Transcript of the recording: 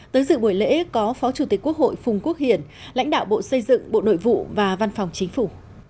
tới dự buổi lễ có phó chủ tịch quốc hội phùng quốc hiển lãnh đạo bộ xây dựng bộ nội vụ và văn phòng chính phủ